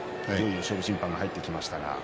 勝負審判が入ってきました。